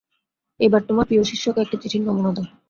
এইবার তোমার প্রিয়শিষ্যাকে একটি চিঠির নমুনা দাও।